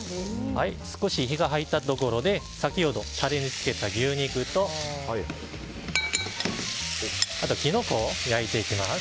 少し火が入ったところで先ほどタレにつけた牛肉とあとキノコを焼いていきます。